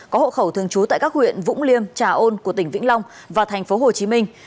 có hộ khẩu thường trú tại các huyện vũng liêm trà ôn của tỉnh vĩnh long và thành phố hồ chí minh